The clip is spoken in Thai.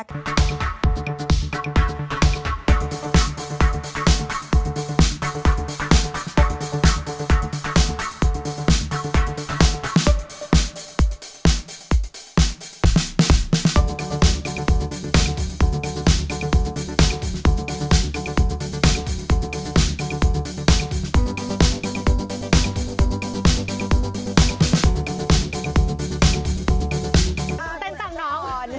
คุณต้องสายยกกับเค้าด้วยดี